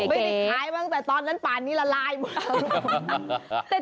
ไม่ได้ขายบ้างแต่ตอนนั้นป่านนี้ละลายหมด